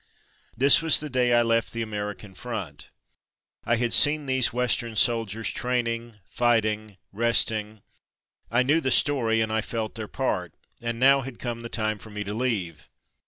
This was the day I left the American front. I had seen these Western soldiers, training, fighting, resting — I knew the story and I felt their part, and now had come the time for me to leave.